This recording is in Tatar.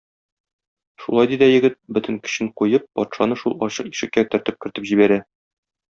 Шулай ди дә егет, бөтен көчен куеп, патшаны шул ачык ишеккә төртеп кертеп җибәрә.